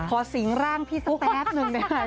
สิงร่างพี่สักแป๊บนึงได้ไหม